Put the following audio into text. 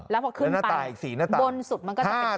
แล้วพอขึ้นไป๔หน้าต่างบนสุดมันก็จะเป็น๕